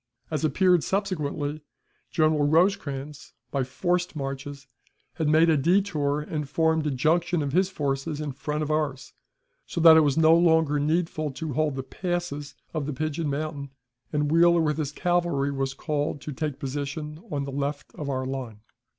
As appeared subsequently, General Rosecrans, by forced marches, had made a détour, and formed a junction of his forces in front of ours, so that it was no longer needful to hold the passes of the Pigeon Mountain, and Wheeler with his cavalry was called to take position on the left of our line.